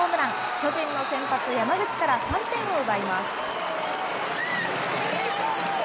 巨人の先発、山口から３点を奪います。